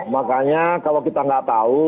makanya kalau kita nggak tahu